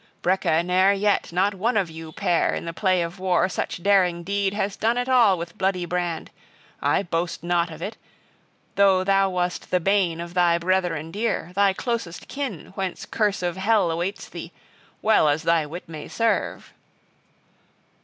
Breca ne'er yet, not one of you pair, in the play of war such daring deed has done at all with bloody brand, I boast not of it! though thou wast the bane {9a} of thy brethren dear, thy closest kin, whence curse of hell awaits thee, well as thy wit may serve!